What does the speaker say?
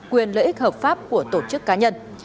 quyền lợi ích hợp pháp của tổ chức cá nhân